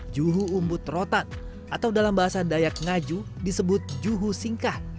juhu umbut rotan atau dalam bahasa dayak ngaju disebut juhu singkah